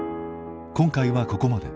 今回はここまで。